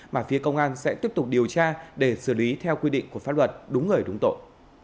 mà phía công an sẽ tiếp tục điều tra để xử lý theo quy định của pháp luật đúng người đúng tội